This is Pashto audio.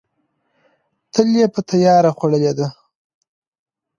تل یې په تیار خوړلې ده.